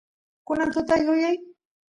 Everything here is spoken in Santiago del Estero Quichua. kunan tuta yuyay